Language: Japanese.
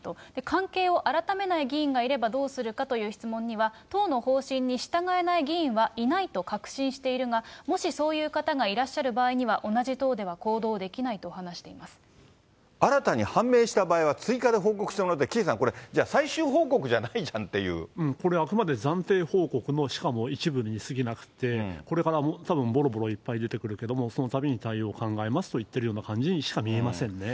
関係を改めない議員がいればどうするかという質問には、党の方針に従えない議員はいないと確信しているが、もしそういう方がいらっしゃる場合には同じ党では行動できないと新たに判明した場合は、追加で報告してもらうって、岸さんこれ、じゃあ最終報告じゃないじゃこれ、あくまで暫定報告の、しかも一部にすぎなくて、これからたぶんぼろぼろいっぱい出てくるけども、そのたびに対応考えますと言ってるような感じにしか見えませんね。